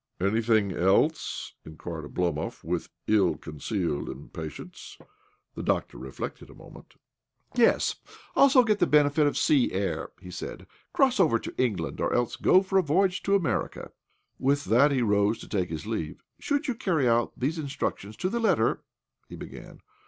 " Anything else ?" inquired Oblomov, with ill concealed impatience. The doctor re flected a moment. " Yes ; also get the benefit of sea air," he said. "Cross over to England, or else go for a voyage to America." With that he rose to take his leave. " Should you carry out these instructions to the letter " he bfegan.